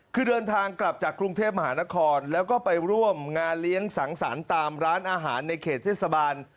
คือเดินทางกลับจากกรุงเทพมหานครแล้วก็ไปร่วมงานเลี้ยงสังสรรค์ตามร้านอาหารในเขตเทศบาล